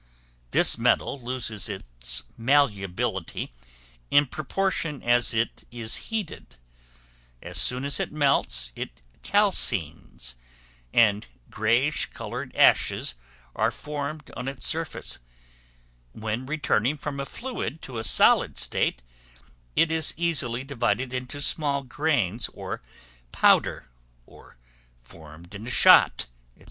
This metal loses its malleability in proportion as it is heated: as soon as it melts it calcines, and greyish colored ashes are formed on its surface; when returning from a fluid to a solid state, it is easily divided into small grains or powder, or formed into shot, &c.